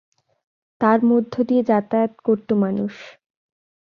তার মধ্য দিয়ে যাতায়াত করতো মানুষ।